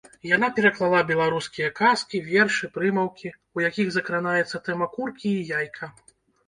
Яна пераклала беларускія казкі, вершы, прымаўкі, у якіх закранаецца тэма куркі і яйка.